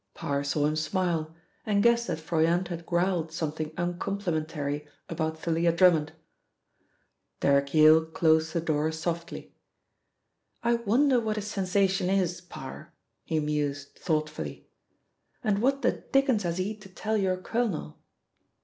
Parr saw him smile, and guessed that Froyant had growled something uncomplimentary about Thalia Drummond. Derrick Yale closed the door softly. "I wonder what his sensation is, Parr," he mused thoughtfully. "And what the dickens has he to tell your colonel?"